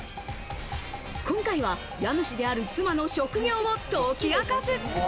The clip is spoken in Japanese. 今回は家主である、妻の職業を解き明かす。